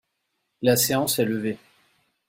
La séance est levée.